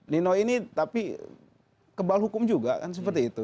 nino ini tapi kebal hukum juga kan seperti itu